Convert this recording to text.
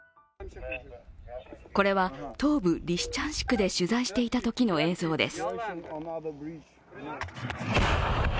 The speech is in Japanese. これは東部・リシチャンシクで取材していたときの映像です。